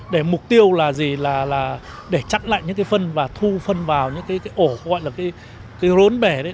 để mục tiêu là gì là để chặn lại những cái phân và thu phân vào những cái ổ gọi là cái rốn bể đấy